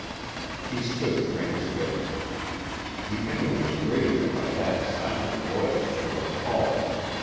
He stood transfixed. The images raised by that, silent voice were appalling.